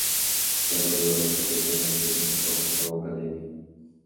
Сябра беларускага культурна-асветнага гуртка ў акадэміі.